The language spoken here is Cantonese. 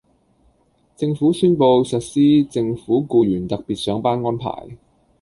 政府宣布實施政府僱員特別上班安排